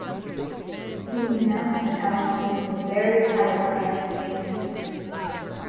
He is now compelled to leave a very telling blank space.